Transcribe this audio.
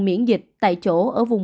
miễn dịch tại chỗ ở vùng